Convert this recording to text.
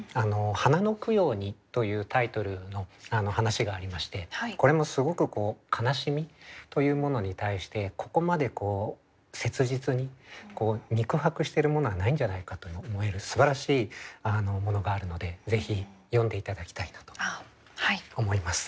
「花の供養に」というタイトルの話がありましてこれもすごくこう悲しみというものに対してここまで切実に肉薄してるものはないんじゃないかと思えるすばらしいものがあるのでぜひ読んで頂きたいなと思います。